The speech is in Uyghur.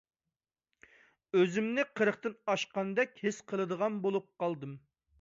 ئۆزۈمنى قىرىقتىن ئاشقاندەك ھېس قىلىدىغان بولۇپ قالدىم.